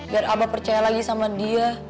biar abah percaya lagi sama dia